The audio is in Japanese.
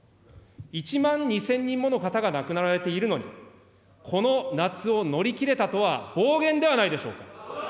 １万２０００人もの方が亡くなられているのに、この夏を乗り切れたとは暴言ではないでしょうか。